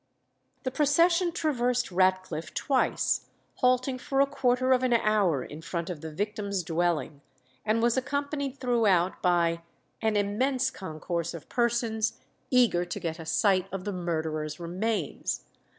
The procession traversed Ratcliffe twice, halting for a quarter of an hour in front of the victims' dwelling, and was accompanied throughout by "an immense concourse of persons, eager to get a sight of the murderer's remains....